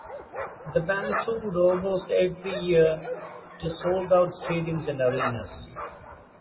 The band toured almost every year to sold out stadiums and arenas.